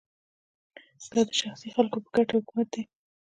دا د شخصي خلکو په ګټه حکومت دی